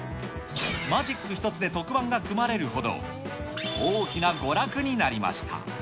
マジック一つで特番が組まれるほど、大きな娯楽になりました。